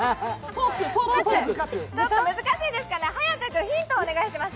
ちょっと難しいですかね、颯君、ヒントお願いします。